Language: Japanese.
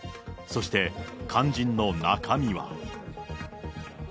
そして、肝心の中身は。